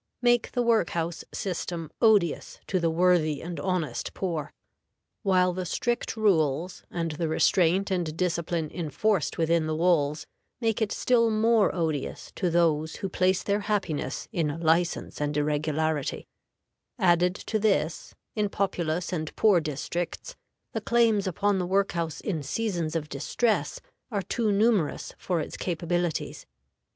make the work house system odious to the worthy and honest poor; while the strict rules, and the restraint and discipline enforced within the walls, make it still more odious to those who place their happiness in license and irregularity; added to this, in populous and poor districts, the claims upon the work house in seasons of distress are too numerous for its capabilities.